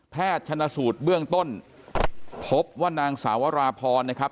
ชนะสูตรเบื้องต้นพบว่านางสาวราพรนะครับ